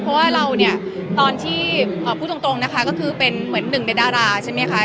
เพราะเราพูดตรงนะคะก็คือเป็นหนึ่งในดาราใช่ไหมคะ